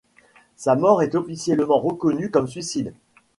Sa mort est officiellement reconnue comme suicide.